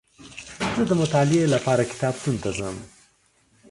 زه دمطالعې لپاره کتابتون ته ځم